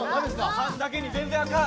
缶だけに全然あかん！